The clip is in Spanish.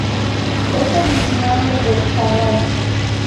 Es originario de Hawai.